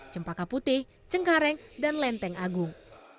cempaka putih cengkareng dan lenteng agung